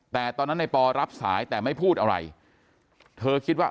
แต่ตอนนั้นในปอรับสายแต่ไม่พูดอะไรเธอคิดว่า